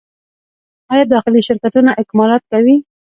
آیا داخلي شرکتونه اکمالات کوي؟